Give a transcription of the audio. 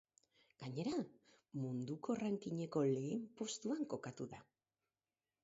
Gainera, munduko rankingeko lehen postuan kokatu da.